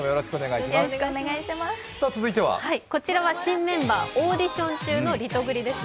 こちらは新メンバーオーディション中のリトグリです。